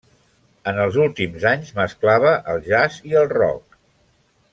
En els últims anys mesclava el jazz i el rock.